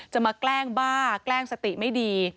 มาแกล้งบ้าแกล้งสติไม่ดี